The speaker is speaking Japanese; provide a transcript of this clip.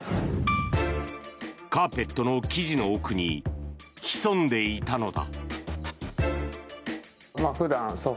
カーペットの生地の奥に潜んでいたのだ。